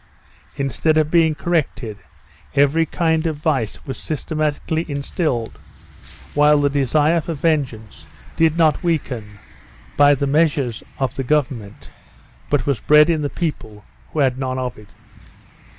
Instead of being corrected, every kind of vice was systematically instilled, while the desire for vengeance did not weaken by the measures of the government, but was bred in the people who had none of it.